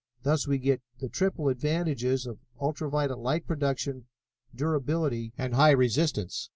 Thus we get the triple advantages of ultra violet light production, durability, and high resistance.